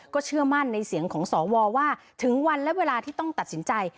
เชื่อมั่นในเสียงของสวว่าถึงวันและเวลาที่ต้องตัดสินใจ